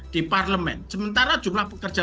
di parlemen sementara jumlah pekerja